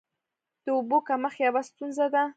د اوبو کمښت یوه ستونزه ده.